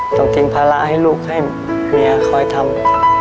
ต้องทิ้งภาระให้ลูกให้เมียคอยทำ